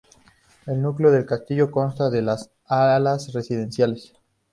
El núcleo del castillo consta de dos alas residenciales.